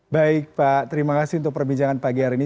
baik pak terima kasih untuk perbincangan pagi hari ini